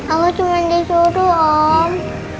aku cuma disuruh om